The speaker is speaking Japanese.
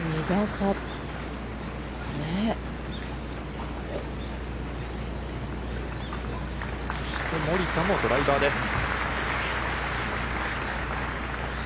そして森田もドライバーです。